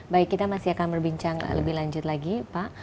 baik kita masih akan berbincang lebih lanjut lagi pak